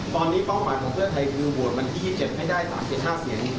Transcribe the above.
ตอนนี้เป้าหมายของเพื่อไทยคือโหวตวันที่๒๗ให้ได้๓๕เสียง